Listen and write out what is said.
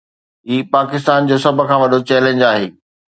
هي پاڪستان جو سڀ کان وڏو چئلينج آهي.